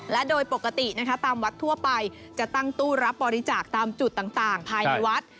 และโดยปกตินะคะตามวัดทั่วไปจะตั้งตู้รับบริจาคตามจุดต่างภายในวัด